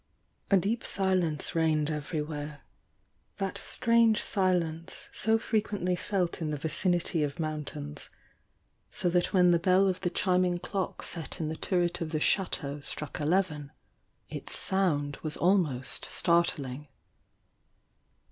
A deep silence reigned every where—that strange silence so frequently felt in the vicinity of mountains, — so tiiat when the bell of THE YOUNG DIANA 159 the chiming clock set in the turret of the Chateau struck eleven, its sound was almost startling.